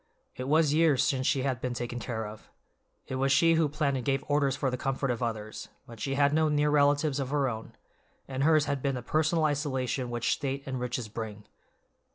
It was years since she had been taken care of. It was she who planned and gave orders for the comfort of others, but she had no near relatives of her own, and hers had been the personal isolation which state and riches bring.